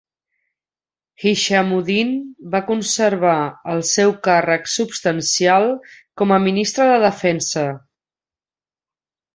Hishammuddin va conservar el seu càrrec substancial com a ministre de Defensa.